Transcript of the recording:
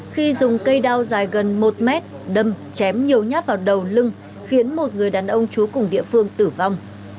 khi dùng cây đao dài gần một mét đâm chém nhiều nhát vào đầu lưng khiến một người đàn ông trú cùng địa phương tử vong